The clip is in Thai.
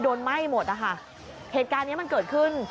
ไหม้หมดนะคะเหตุการณ์เนี้ยมันเกิดขึ้น